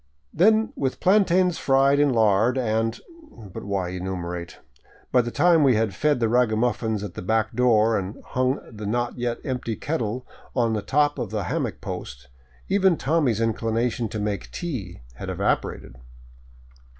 Then with plantains fried in lard and — But why enumerate? By the time we had fed the ragamuffins at the back door and hung the not yet empty kettle on the top of a hammock post, even Tommy's inclination to make tea had evaporated.